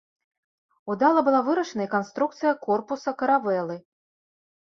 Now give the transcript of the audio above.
Удала была вырашана і канструкцыя корпуса каравелы.